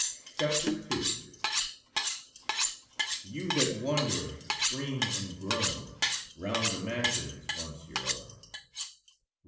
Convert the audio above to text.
CHAPTER II You that wander, scream, and groan, Round the mansions once your own.